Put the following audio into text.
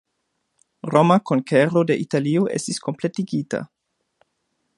Roma konkero de Italio estis kompletigita.